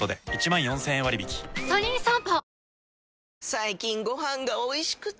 最近ご飯がおいしくて！